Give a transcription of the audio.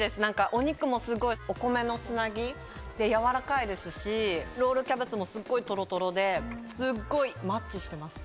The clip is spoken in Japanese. お肉もすごいお米のつなぎでやわらかいですしロールキャベツもすっごいとろとろですっごいマッチしてます。